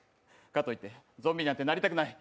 かといってゾンビになんかなりたくない。